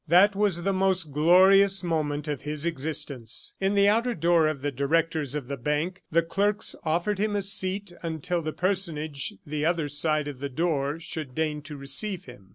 That was the most glorious moment of his existence. In the outer office of the Directors of the Bank, the clerks offered him a seat until the personage the other side of the door should deign to receive him.